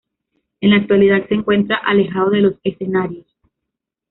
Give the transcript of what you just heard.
En la actualidad se encuentra alejado de los escenarios.